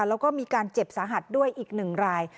แล้วก็มีการเจ็บสาหัสด้วยอีก๑ราย